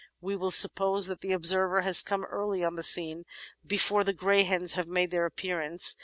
"We will suppose that the observer has come early on the scene, before the greyhens have made their appearance.